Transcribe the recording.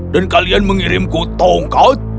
dan kalian mengirimku tongkat